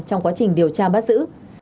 trong quá trình điều tra bắt giữ